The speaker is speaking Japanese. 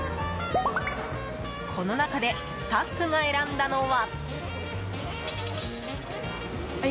この中でスタッフが選んだのは。